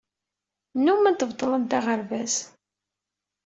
Nnumment beṭṭlent aɣerbaz.